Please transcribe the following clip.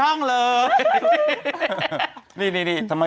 อันนี้ทีหรอครับ